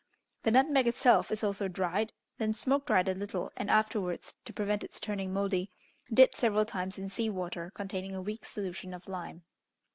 The nutmeg itself is also dried, then smoke dried a little, and afterwards, to prevent its turning mouldy, dipped several times in sea water, containing a weak solution of lime.